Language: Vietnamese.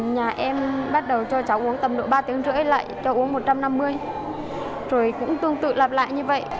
nhà em bắt đầu cho cháu uống tầm độ ba tiếng rưỡi lại cho uống một trăm năm mươi rồi cũng tương tự lặp lại như vậy